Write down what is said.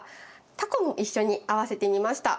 タコも一緒に合わせてみました。